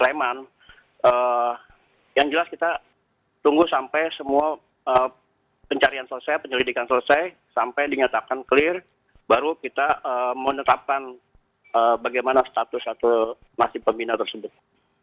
leman yang jelas kita tunggu sampai semua pencarian selesai penyelidikan selesai sampai dinyatakan clear baru kita menetapkan bagaimana status atau nasib pembina tersebut